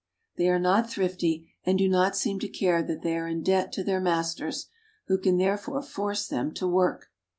They are not thrifty, and do not seem to care that they are in debt to their masters, who can therefore force them to work.